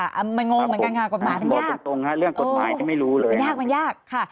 มันงงเหมือนกันค่ะกฎหมายมันงงตรงค่ะเรื่องกฎหมายก็ไม่รู้เลยมันยากมันยากค่ะ